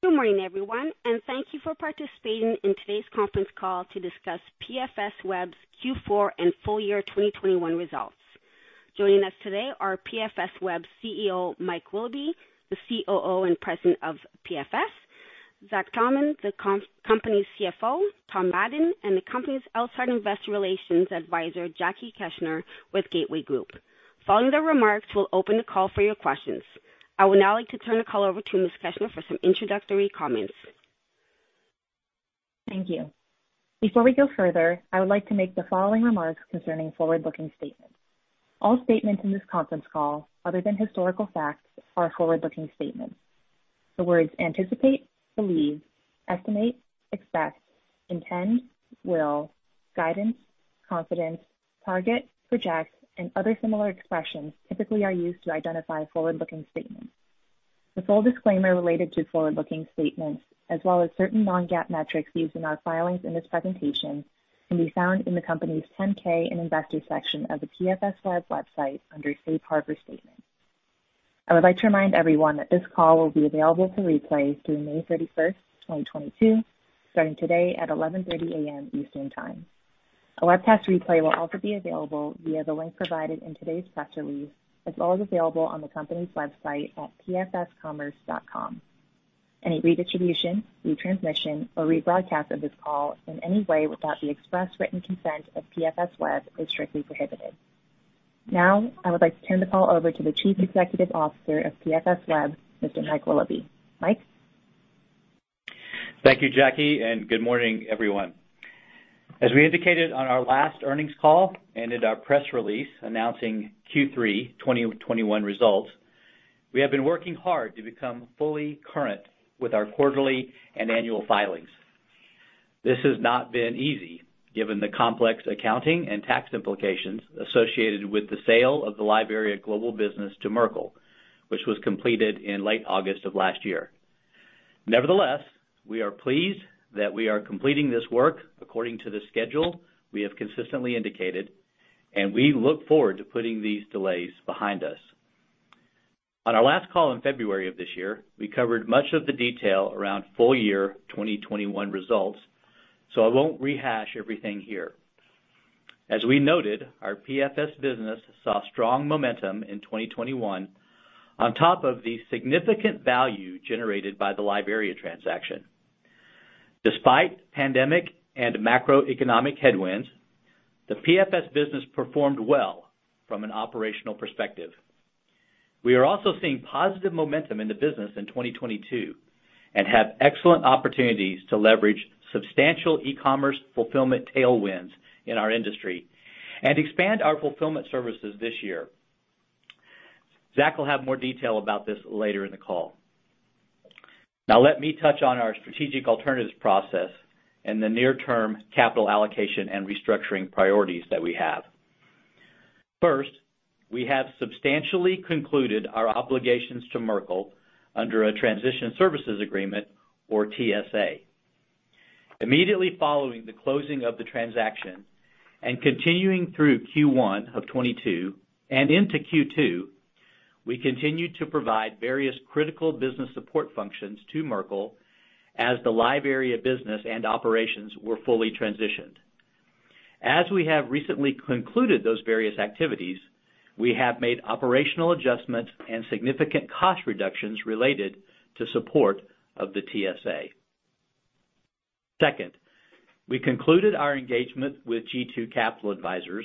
Good morning, everyone, and thank you for participating in today's conference call to discuss PFSweb's Q4 and full-year 2021 results. Joining us today are PFSweb's CEO, Mike Willoughby, the COO and president of PFS, Zach Thomann, the company's CFO, Tom Madden, and the company's outside investor relations advisor, Jackie Keshner with Gateway Group. Following their remarks, we'll open the call for your questions. I would now like to turn the call over to Ms. Keshner for some introductory comments. Thank you. Before we go further, I would like to make the following remarks concerning forward-looking statements. All statements in this conference call, other than historical facts, are forward-looking statements. The words anticipate, believe, estimate, expect, intend, will, guidance, confidence, target, project, and other similar expressions typically are used to identify forward-looking statements. The full disclaimer related to forward-looking statements, as well as certain non-GAAP metrics used in our filings in this presentation, can be found in the company's 10-K in investor section of the PFSweb's website under Safe Harbor statements. I would like to remind everyone that this call will be available to replay through May 31st, 2022, starting today at 11:30 A.M. Eastern Time. A webcast replay will also be available via the link provided in today's press release, as well as available on the company's website at pfscommerce.com. Any redistribution, retransmission, or rebroadcast of this call in any way without the express written consent of PFSweb is strictly prohibited. Now, I would like to turn the call over to the Chief Executive Officer of PFSweb, Mr. Mike Willoughby. Mike? Thank you, Jackie, and good morning, everyone. As we indicated on our last earnings call and in our press release announcing Q3 2021 results, we have been working hard to become fully current with our quarterly and annual filings. This has not been easy given the complex accounting and tax implications associated with the sale of the LiveArea global business to Merkle, which was completed in late August of last year. Nevertheless, we are pleased that we are completing this work according to the schedule we have consistently indicated, and we look forward to putting these delays behind us. On our last call in February of this year, we covered much of the detail around full-year 2021 results, so I won't rehash everything here. As we noted, our PFS business saw strong momentum in 2021 on top of the significant value generated by the LiveArea transaction. Despite pandemic and macroeconomic headwinds, the PFS business performed well from an operational perspective. We are also seeing positive momentum in the business in 2022, and have excellent opportunities to leverage substantial e-commerce fulfillment tailwinds in our industry and expand our fulfillment services this year. Zach will have more detail about this later in the call. Now let me touch on our strategic alternatives process and the near-term capital allocation and restructuring priorities that we have. First, we have substantially concluded our obligations to Merkle under a transition services agreement, or TSA. Immediately following the closing of the transaction and continuing through Q1 of 2022 and into Q2, we continued to provide various critical business support functions to Merkle as the LiveArea business and operations were fully transitioned. As we have recently concluded those various activities, we have made operational adjustments and significant cost reductions related to support of the TSA. Second, we concluded our engagement with G2 Capital Advisors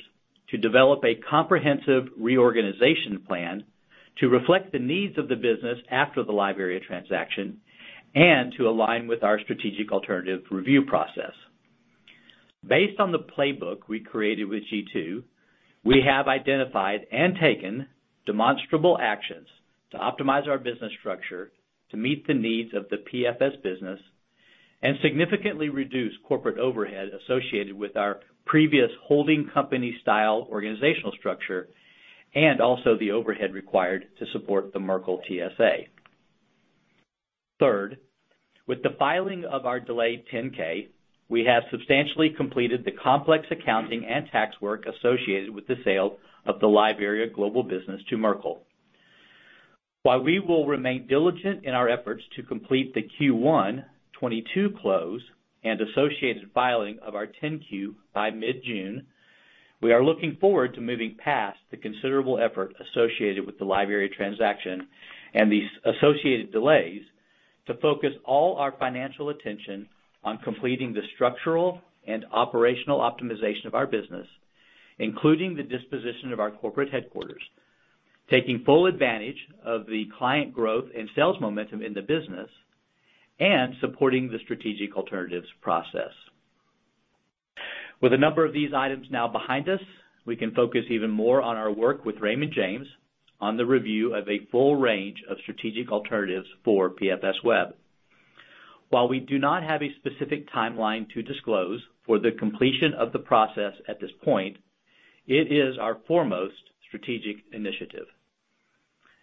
to develop a comprehensive reorganization plan to reflect the needs of the business after the LiveArea transaction and to align with our strategic alternative review process. Based on the playbook we created with G2, we have identified and taken demonstrable actions to optimize our business structure to meet the needs of the PFS business and significantly reduce corporate overhead associated with our previous holding company style organizational structure, and also the overhead required to support the Merkle TSA. Third, with the filing of our delayed 10-K, we have substantially completed the complex accounting and tax work associated with the sale of the LiveArea global business to Merkle. While we will remain diligent in our efforts to complete the Q1 2022 close and associated filing of our 10-Q by mid-June, we are looking forward to moving past the considerable effort associated with the LiveArea transaction and the associated delays to focus all our financial attention on completing the structural and operational optimization of our business, including the disposition of our corporate headquarters, taking full advantage of the client growth and sales momentum in the business and supporting the strategic alternatives process. With a number of these items now behind us, we can focus even more on our work with Raymond James on the review of a full range of strategic alternatives for PFSweb. While we do not have a specific timeline to disclose for the completion of the process at this point, it is our foremost strategic initiative.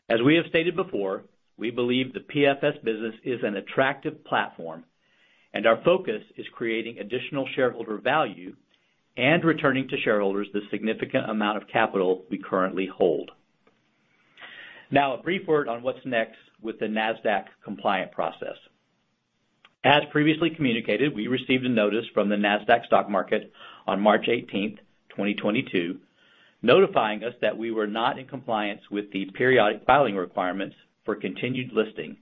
As we have stated before, we believe the PFS business is an attractive platform. Our focus is creating additional shareholder value and returning to shareholders the significant amount of capital we currently hold. Now a brief word on what's next with the Nasdaq compliance process. As previously communicated, we received a notice from the Nasdaq Stock Market on March 18th, 2022, notifying us that we were not in compliance with the periodic filing requirements for continued listing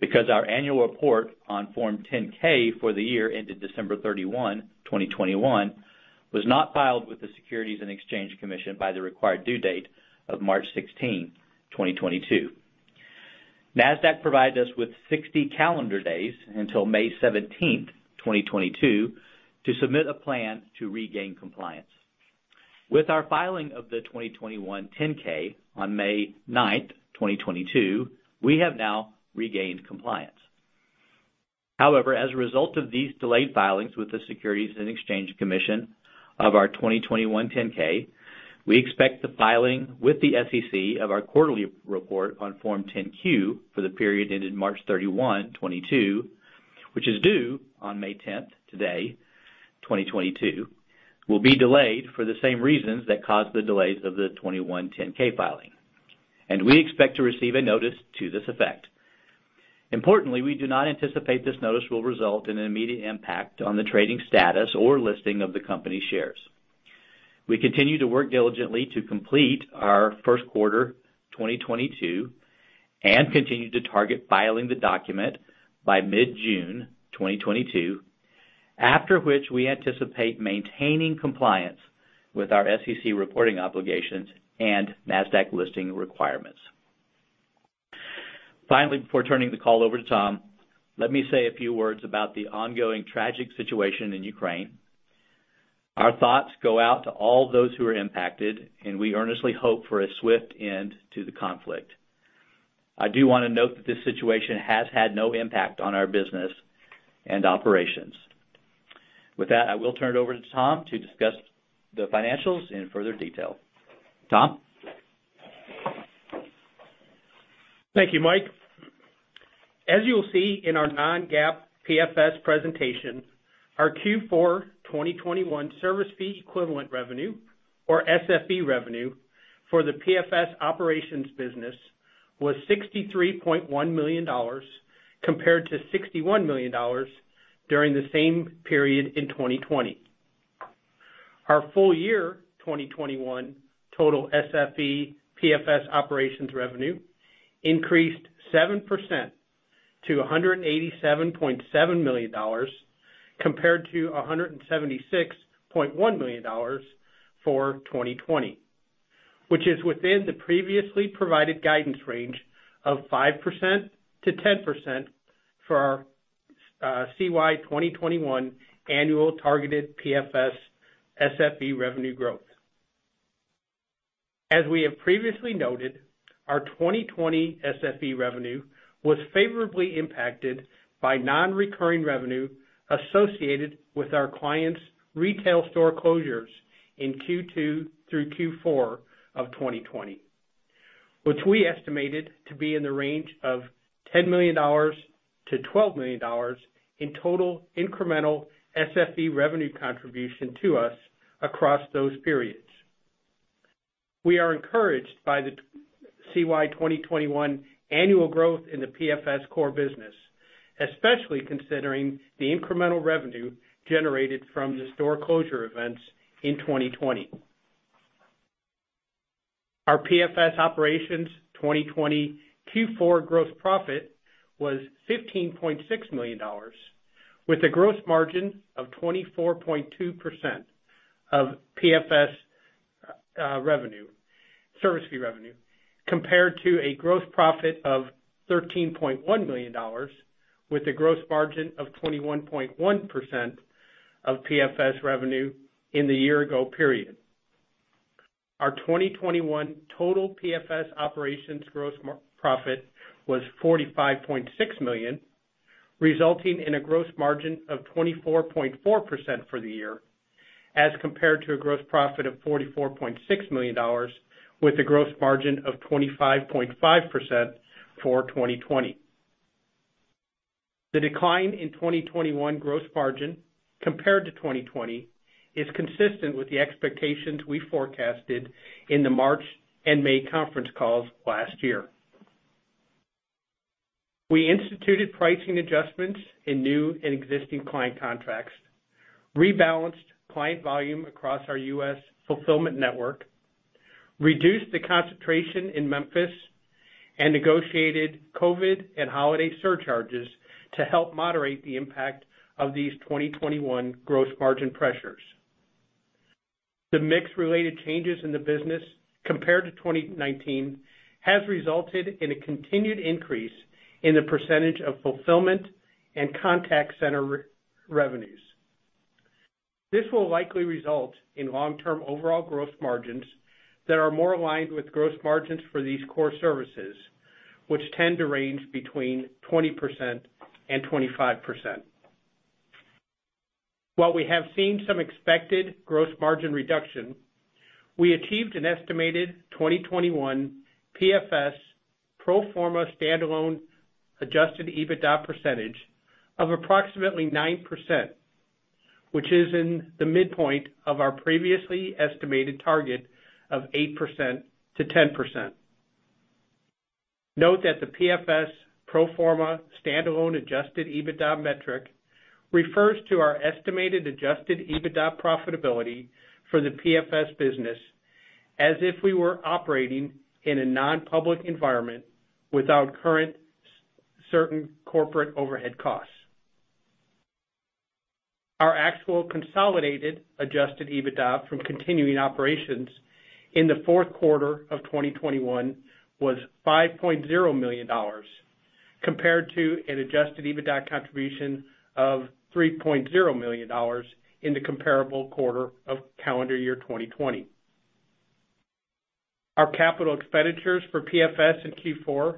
because our annual report on Form 10-K for the year ended December 31, 2021, was not filed with the Securities and Exchange Commission by the required due date of March 16, 2022. Nasdaq provided us with 60 calendar days until May 17th, 2022 to submit a plan to regain compliance. With our filing of the 2021 10-K on May 9th, 2022, we have now regained compliance. However, as a result of these delayed filings with the Securities and Exchange Commission of our 2021 10-K, we expect the filing with the SEC of our quarterly report on Form 10-Q for the period ended March 31, 2022, which is due on May 10th, today, 2022, will be delayed for the same reasons that caused the delays of the 2021 10-K filing, and we expect to receive a notice to this effect. Importantly, we do not anticipate this notice will result in an immediate impact on the trading status or listing of the company's shares. We continue to work diligently to complete our first quarter 2022 and continue to target filing the document by mid-June 2022, after which we anticipate maintaining compliance with our SEC reporting obligations and Nasdaq listing requirements. Finally, before turning the call over to Tom, let me say a few words about the ongoing tragic situation in Ukraine. Our thoughts go out to all those who are impacted, and we earnestly hope for a swift end to the conflict. I do want to note that this situation has had no impact on our business and operations. With that, I will turn it over to Tom to discuss the financials in further detail. Tom? Thank you, Mike. As you will see in our non-GAAP PFS presentation, our Q4 2021 service fee equivalent revenue or SFE revenue for the PFS operations business was $63.1 million compared to $61 million during the same period in 2020. Our full-year 2021 total SFE PFS operations revenue increased 7% to $187.7 million compared to $176.1 million for 2020, which is within the previously provided guidance range of 5%-10% for our CY 2021 annual targeted PFS SFE revenue growth. As we have previously noted, our 2020 SFE revenue was favorably impacted by non-recurring revenue associated with our clients' retail store closures in Q2 through Q4 of 2020, which we estimated to be in the range of $10 million-$12 million in total incremental SFE revenue contribution to us across those periods. We are encouraged by the CY 2021 annual growth in the PFS core business, especially considering the incremental revenue generated from the store closure events in 2020. Our PFS operations 2020 Q4 gross profit was $15.6 million with a gross margin of 24.2% of PFS service fee revenue, compared to a gross profit of $13.1 million with a gross margin of 21.1% of PFS revenue in the year ago period. Our 2021 total PFS operations gross profit was $45.6 million, resulting in a gross margin of 24.4% for the year as compared to a gross profit of $44.6 million with a gross margin of 25.5% for 2020. The decline in 2021 gross margin compared to 2020 is consistent with the expectations we forecasted in the March and May conference calls last year. We instituted pricing adjustments in new and existing client contracts, rebalanced client volume across our U.S. fulfillment network, reduced the concentration in Memphis, and negotiated COVID and holiday surcharges to help moderate the impact of these 2021 gross margin pressures. The mix related changes in the business compared to 2019 has resulted in a continued increase in the percentage of fulfillment and contact center revenues. This will likely result in long-term overall gross margins that are more aligned with gross margins for these core services, which tend to range between 20% and 25%. While we have seen some expected gross margin reduction, we achieved an estimated 2021 PFS pro forma standalone adjusted EBITDA percentage of approximately 9%, which is in the midpoint of our previously estimated target of 8%-10%. Note that the PFS pro forma standalone adjusted EBITDA metric refers to our estimated adjusted EBITDA profitability for the PFS business as if we were operating in a non-public environment without current certain corporate overhead costs. Our actual consolidated adjusted EBITDA from continuing operations in the fourth quarter of 2021 was $5.0 million compared to an adjusted EBITDA contribution of $3.0 million in the comparable quarter of calendar year 2020. Our capital expenditures for PFS in Q4,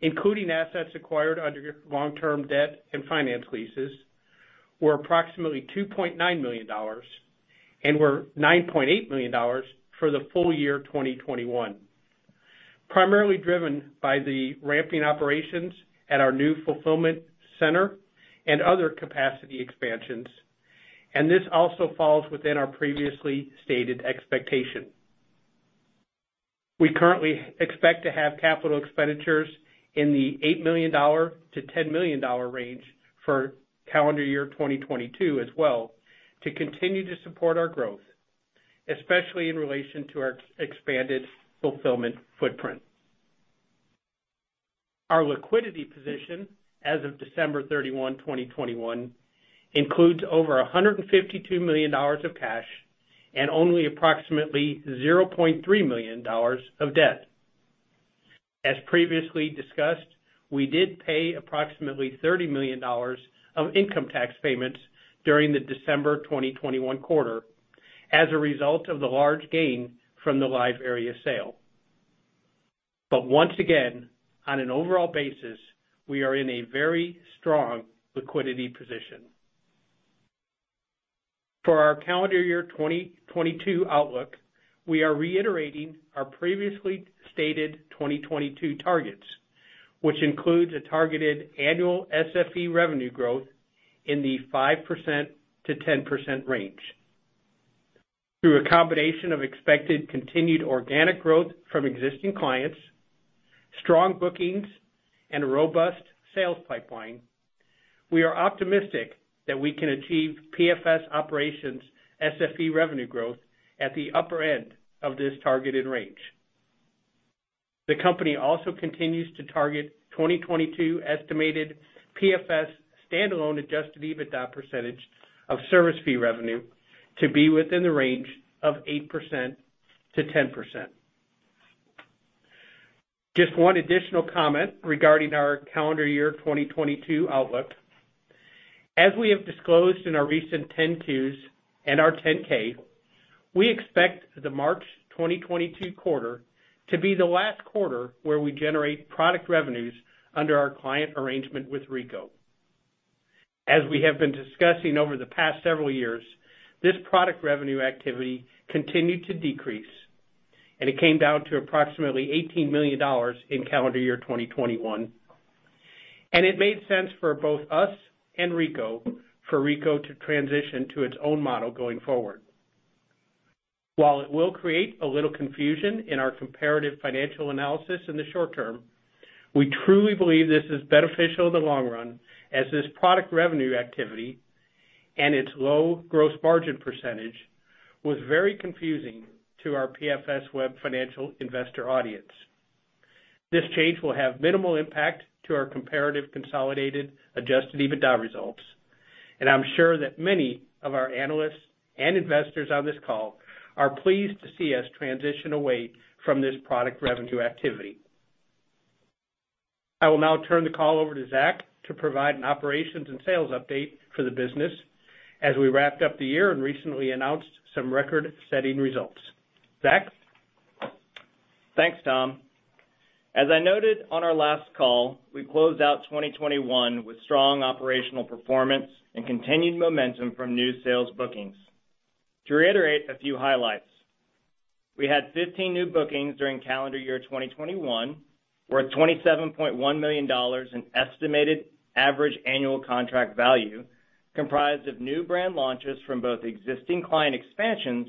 including assets acquired under long-term debt and finance leases, were approximately $2.9 million and were $9.8 million for the full-year 2021, primarily driven by the ramping operations at our new fulfillment center and other capacity expansions. This also falls within our previously stated expectation. We currently expect to have capital expenditures in the $8 million-$10 million range for calendar year 2022 as well to continue to support our growth, especially in relation to our expanded fulfillment footprint. Our liquidity position as of December 31, 2021, includes over $152 million of cash and only approximately $0.3 million of debt. As previously discussed, we did pay approximately $30 million of income tax payments during the December 2021 quarter as a result of the large gain from the LiveArea sale. Once again, on an overall basis, we are in a very strong liquidity position. For our calendar year 2022 outlook, we are reiterating our previously stated 2022 targets, which includes a targeted annual SFE revenue growth in the 5%-10% range. Through a combination of expected continued organic growth from existing clients, strong bookings, and a robust sales pipeline, we are optimistic that we can achieve PFS operations SFE revenue growth at the upper end of this targeted range. The company also continues to target 2022 estimated PFS standalone adjusted EBITDA percentage of service fee revenue to be within the range of 8%-10%. Just one additional comment regarding our calendar year 2022 outlook. As we have disclosed in our recent 10-Qs and our 10-K, we expect the March 2022 quarter to be the last quarter where we generate product revenues under our client arrangement with Ricoh. As we have been discussing over the past several years, this product revenue activity continued to decrease, and it came down to approximately $18 million in calendar year 2021. It made sense for both us and Ricoh, for Ricoh to transition to its own model going forward. While it will create a little confusion in our comparative financial analysis in the short term, we truly believe this is beneficial in the long run as this product revenue activity and its low gross margin percentage was very confusing to our PFSweb financial investor audience. This change will have minimal impact to our comparative consolidated adjusted EBITDA results, and I'm sure that many of our analysts and investors on this call are pleased to see us transition away from this product revenue activity. I will now turn the call over to Zach to provide an operations and sales update for the business as we wrapped up the year and recently announced some record-setting results. Zach? Thanks, Tom. As I noted on our last call, we closed out 2021 with strong operational performance and continued momentum from new sales bookings. To reiterate a few highlights, we had 15 new bookings during calendar year 2021, worth $27.1 million in estimated average annual contract value comprised of new brand launches from both existing client expansions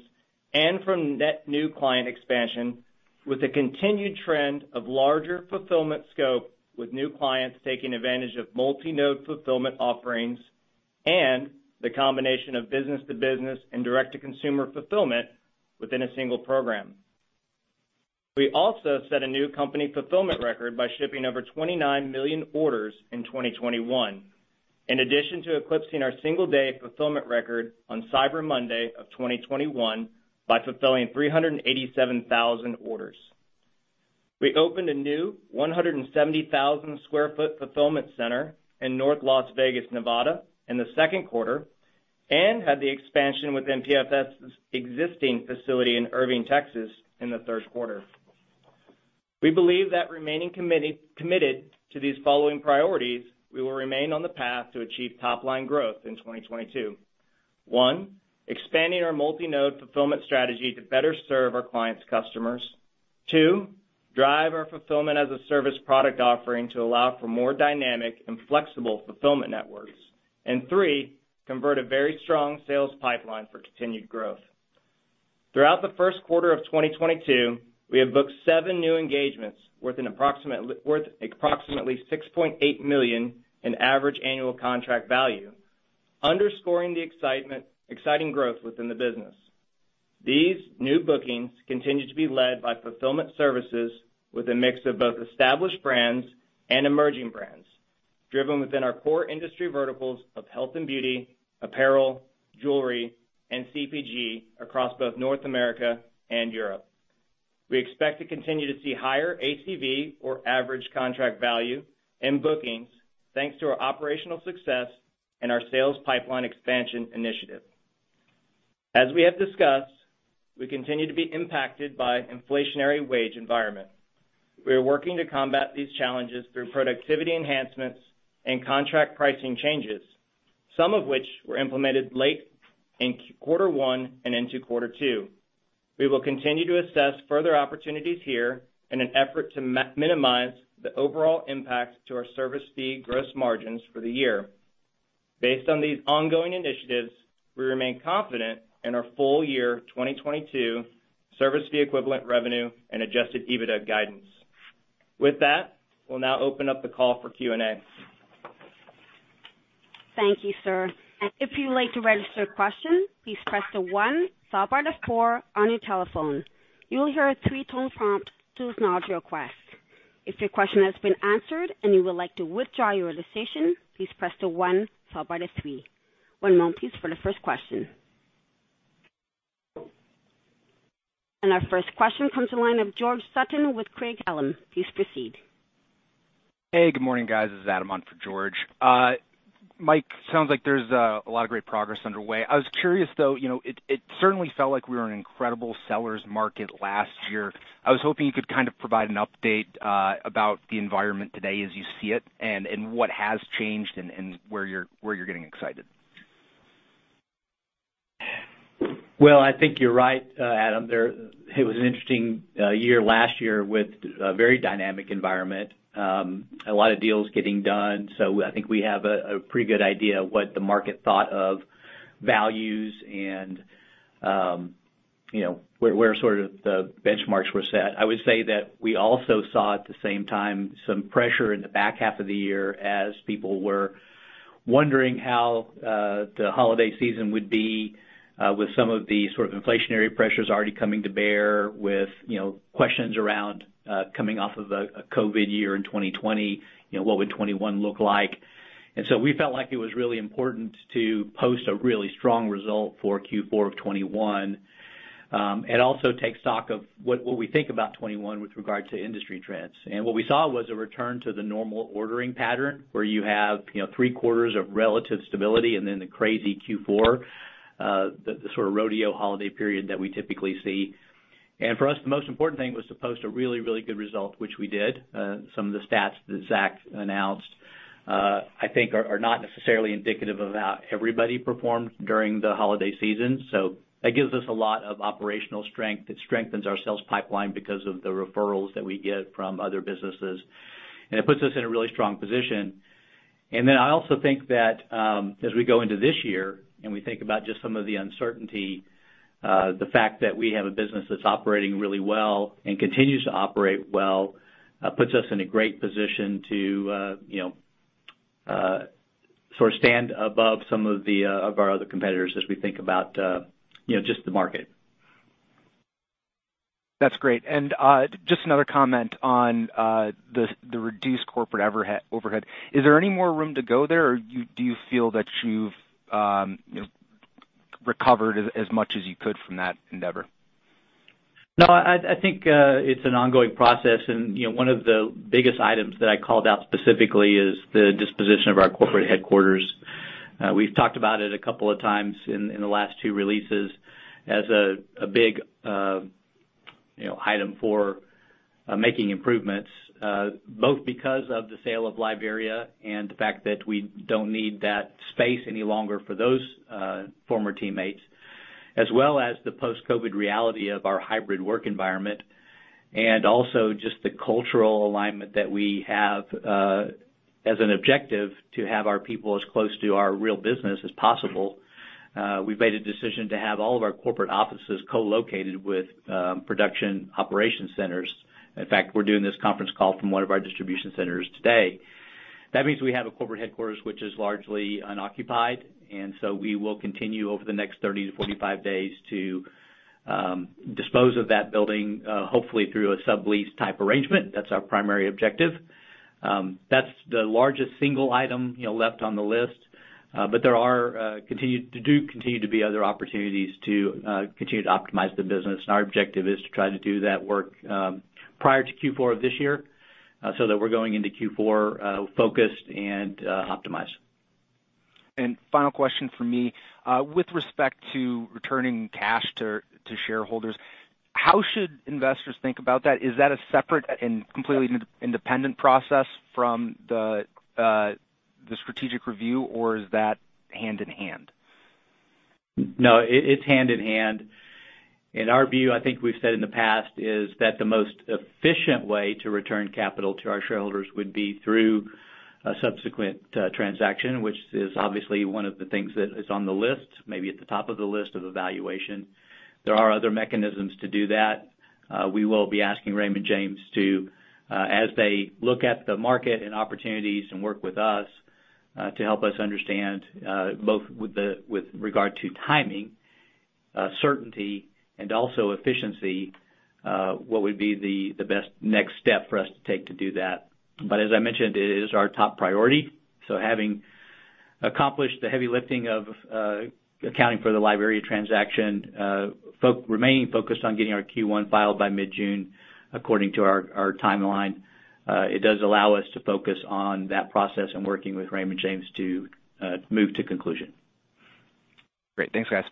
and from net new client expansion with a continued trend of larger fulfillment scope with new clients taking advantage of multi-node fulfillment offerings and the combination of business-to-business and direct-to-consumer fulfillment within a single program. We also set a new company fulfillment record by shipping over 29 million orders in 2021, in addition to eclipsing our single-day fulfillment record on Cyber Monday of 2021 by fulfilling 387,000 orders. We opened a new 170,000 sq ft fulfillment center in North Las Vegas, Nevada, in the second quarter and had the expansion within PFS's existing facility in Irving, Texas, in the third quarter. We believe that remaining committed to the following priorities, we will remain on the path to achieve top line growth in 2022. One, expanding our multi-node fulfillment strategy to better serve our clients' customers. Two, drive our fulfillment as a service product offering to allow for more dynamic and flexible fulfillment networks. Three, convert a very strong sales pipeline for continued growth. Throughout the first quarter of 2022, we have booked seven new engagements worth approximately $6.8 million in average annual contract value, underscoring the exciting growth within the business. These new bookings continue to be led by fulfillment services with a mix of both established brands and emerging brands driven within our core industry verticals of health and beauty, apparel, jewelry, and CPG across both North America and Europe. We expect to continue to see higher ACV or average contract value in bookings thanks to our operational success and our sales pipeline expansion initiative. As we have discussed, we continue to be impacted by inflationary wage environment. We are working to combat these challenges through productivity enhancements and contract pricing changes, some of which were implemented late in quarter one and into quarter two. We will continue to assess further opportunities here in an effort to minimize the overall impact to our service fee gross margins for the year. Based on these ongoing initiatives, we remain confident in our full-year 2022 service fee equivalent revenue and adjusted EBITDA guidance. With that, we'll now open up the call for Q&A. Thank you, sir. If you'd like to register a question, please press the one followed by the four on your telephone. You will hear a three-tone prompt to acknowledge your request. If your question has been answered and you would like to withdraw your authorization, please press the one followed by the three. One moment please for the first question. Our first question comes to the line of George Sutton with Craig-Hallum. Please proceed. Hey, good morning, guys. This is Adam on for George. Mike, sounds like there's a lot of great progress underway. I was curious though, you know, it certainly felt like we were in an incredible seller's market last year. I was hoping you could kind of provide an update about the environment today as you see it and what has changed and where you're getting excited. Well, I think you're right, Adam. It was an interesting year last year with a very dynamic environment, a lot of deals getting done. I think we have a pretty good idea of what the market thought of values and, you know, where sort of the benchmarks were set. I would say that we also saw at the same time some pressure in the back half of the year as people were wondering how the holiday season would be with some of the sort of inflationary pressures already coming to bear with, you know, questions around coming off of a COVID year in 2020, you know, what would 2021 look like. We felt like it was really important to post a really strong result for Q4 of 2021, and also take stock of what we think about 2021 with regard to industry trends. What we saw was a return to the normal ordering pattern where you have, you know, three quarters of relative stability and then the crazy Q4, the sort of rodeo holiday period that we typically see. For us, the most important thing was to post a really good result, which we did. Some of the stats that Zach announced, I think are not necessarily indicative of how everybody performed during the holiday season. That gives us a lot of operational strength. It strengthens our sales pipeline because of the referrals that we get from other businesses, and it puts us in a really strong position. I also think that as we go into this year and we think about just some of the uncertainty, the fact that we have a business that's operating really well and continues to operate well, puts us in a great position to, you know, sort of stand above some of our other competitors as we think about, you know, just the market. That's great. Just another comment on the reduced corporate overhead. Is there any more room to go there or do you feel that you've you know, recovered as much as you could from that endeavor? No, I think it's an ongoing process. You know, one of the biggest items that I called out specifically is the disposition of our corporate headquarters. We've talked about it a couple of times in the last two releases as a big item for making improvements, both because of the sale of LiveArea and the fact that we don't need that space any longer for those former teammates, as well as the post-COVID reality of our hybrid work environment. Also just the cultural alignment that we have as an objective to have our people as close to our real business as possible. We've made a decision to have all of our corporate offices co-located with production operation centers. In fact, we're doing this conference call from one of our distribution centers today. That means we have a corporate headquarters which is largely unoccupied, and so we will continue over the next 30-45 days to dispose of that building, hopefully through a sublease type arrangement. That's our primary objective. That's the largest single item, you know, left on the list. But there continue to be other opportunities to continue to optimize the business and our objective is to try to do that work, prior to Q4 of this year, so that we're going into Q4, focused and optimized. Final question from me. With respect to returning cash to shareholders, how should investors think about that? Is that a separate and completely independent process from the strategic review, or is that hand in hand? No, it's hand in hand. In our view, I think we've said in the past is that the most efficient way to return capital to our shareholders would be through a subsequent transaction, which is obviously one of the things that is on the list, maybe at the top of the list of evaluation. There are other mechanisms to do that. We will be asking Raymond James to, as they look at the market and opportunities and work with us, to help us understand, both with the, with regard to timing, certainty and also efficiency, what would be the best next step for us to take to do that. As I mentioned, it is our top priority. Having accomplished the heavy lifting of accounting for the LiveArea transaction, remaining focused on getting our Q1 filed by mid-June according to our timeline, it does allow us to focus on that process and working with Raymond James to move to conclusion. Great. Thanks, guys.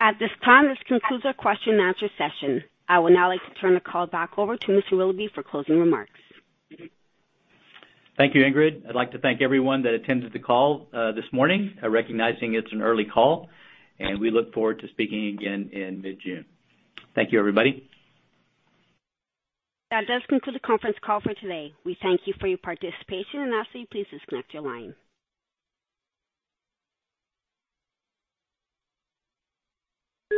At this time, this concludes our question and answer session. I would now like to turn the call back over to Mr. Willoughby for closing remarks. Thank you, Ingrid. I'd like to thank everyone that attended the call this morning, recognizing it's an early call, and we look forward to speaking again in mid-June. Thank you, everybody. That does conclude the conference call for today. We thank you for your participation, and I'll ask that you please disconnect your line.